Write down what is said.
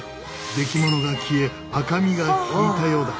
できものが消え赤みが引いたようだ。